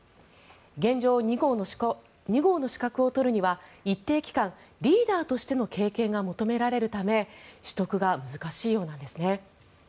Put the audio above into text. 現状、２号の資格を取るには一定期間リーダーとしての経験が求められるため取得が難しいようなんですね。